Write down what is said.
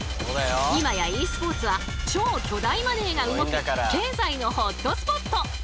今やｅスポーツは超巨大マネーが動く経済のホットスポット。